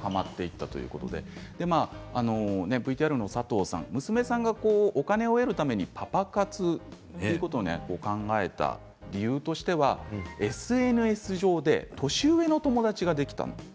はまっていったということでＶＴＲの佐藤さん娘さんがお金を得るためにパパ活を考えた理由というのがＳＮＳ上で年上の友達ができたんです。